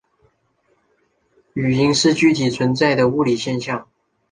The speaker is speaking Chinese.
语音是具体存在的物理现象。